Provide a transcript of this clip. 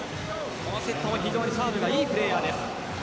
このセットサーブがいいプレーヤーです。